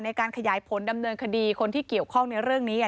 ในการขยายผลดำเนินคดีคนที่เกี่ยวข้องในเรื่องนี้